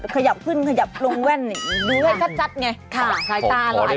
ขยับขึ้นขยับลงแว่นดูให้ชัดไง